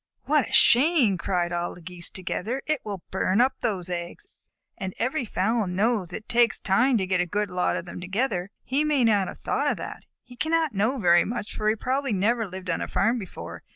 "What a shame!" cried all the Geese together. "It will burn up those eggs, and every fowl knows that it takes time to get a good lot of them together. He may not have thought of that. He cannot know very much, for he probably never lived on a farm before.